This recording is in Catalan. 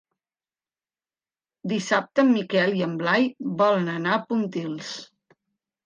Dissabte en Miquel i en Blai volen anar a Pontils.